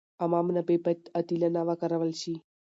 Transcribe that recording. عامه منابع باید عادلانه وکارول شي.